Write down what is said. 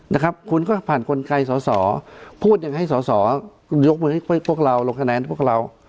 นะครับคุณก็ผ่านกลไกสอสอพูดอย่างให้สอสอคุณยกมือให้พวกเราลงคะแนนพวกเรา